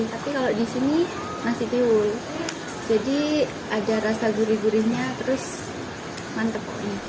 tapi kalau disini masih tiwul jadi ada rasa gurih gurihnya terus mantep selain menu tiwul